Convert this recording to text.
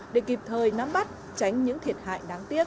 để kịp thời nắm bắt tránh những thiệt hại đáng tiếc